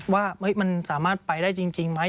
ว่ามันสามารถไปได้จริงไหม